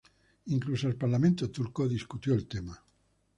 Incluso el parlamento turco discutió el tema.